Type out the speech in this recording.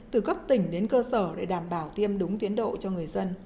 từ cấp tỉnh đến cơ sở để đảm bảo tiêm đúng tiến độ cho người dân